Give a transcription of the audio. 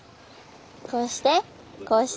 こうしてこうして。